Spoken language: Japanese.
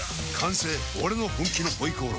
俺の本気の回鍋肉！